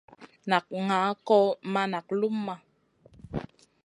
Nak ŋaʼa kò ma nak luma.